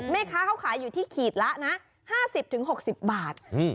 แม่ค้าเขาขายอยู่ที่ขีดละนะ๕๐๖๐บาท